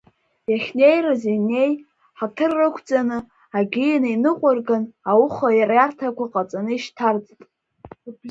Иахнеирыз ианнеи, ҳаҭыр рықәҵаны, агьины иныҟәырган, ауха риарҭақәа ҟаҵаны ишьҭарҵт.